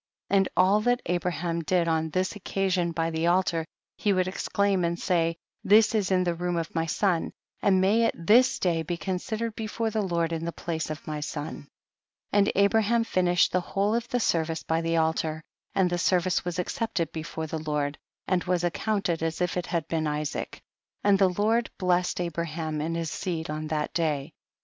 75. And all that Abraham did on this occasion by the altar, he would exclaim and say, this is in the room of my son, and may it this day be considered before the Lord in the place of my son ; and Abraham fin ished the whole of the service by the altar, and the service was accepted before the Lord, and was accounted as if it had been Isaac ; and the Lord blessed Abraham and his seed on that day.